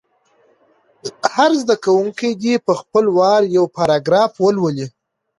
هر زده کوونکی دې په خپل وار یو پاراګراف ولولي.